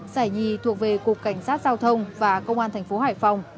sải hai thuộc về cục cảnh sát giao thông và công an thành phố hải phòng